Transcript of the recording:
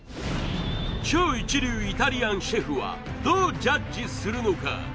超一流イタリアンシェフはどうジャッジするのか？